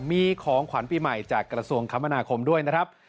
มีของขวัญปีใหม่จากกระทรวงคมนาคมด้วยนะครับ